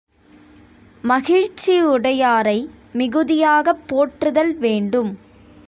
மகிழ்ச்சியுடையாரை மிகுதியாகப் போற்றுதல் வேண்டும்.